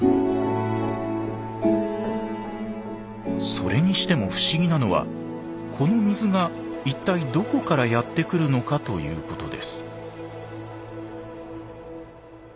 それにしても不思議なのはこの水が一体どこからやって来るのかということです。